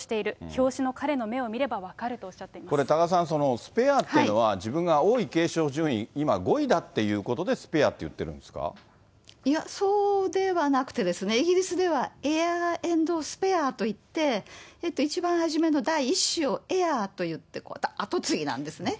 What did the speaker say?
表紙の彼の目を見れば分かるとおこれ、多賀さん、スペアっていうのは、自分が王位継承順位、今５位だっていうことで、いや、そうではなくて、イギリスではエア・エンド・スペアといって、一番初めの第１子をエアといって、後継ぎなんですね。